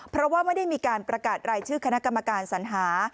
เพราะว่าไม่ได้มีการประกาศรายชื่อคณะกรรมการสัญหา